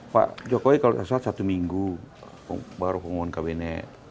pak jokowi kalau tidak salah satu minggu baru pengumuman kabinet